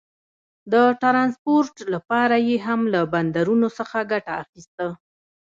د ټرانسپورټ لپاره یې هم له بندرونو ګټه اخیسته.